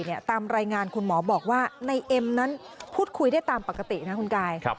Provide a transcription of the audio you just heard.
ตามรายงานคุณหมอบอกว่าในเอ็มนั้นพูดคุยได้ตามปกตินะคุณกาย